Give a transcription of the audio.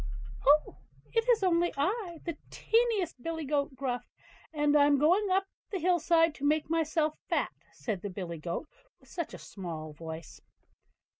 "Oh! it is only I, the tiniest billy goat Gruff; and I'm going up to the hill side to make myself fat", said the billy goat, with such a small voice.